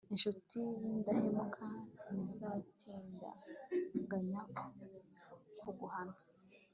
incuti y'indahemuka ntizatindiganya kuguhana